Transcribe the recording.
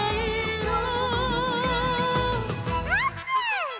「あーぷん」